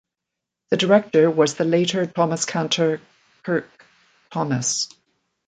The director was the later Thomaskantor Kurt Thomas.